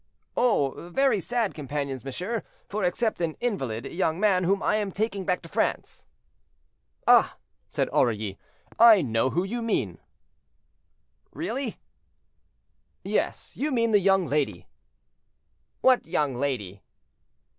"Oh! very sad companions, monsieur; for except an invalid young man whom I am taking back to France—" "Ah!" said Aurilly, "I know whom you mean." "Really." "Yes; you mean the young lady." "What young lady?"